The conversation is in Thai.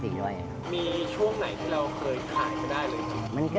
มีช่วงไหนที่เราเคยขายจะได้เลยครับ